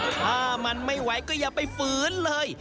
ถ้ามันไม่ไหวก็อย่าไปฝืนเลย